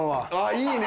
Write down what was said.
いいね！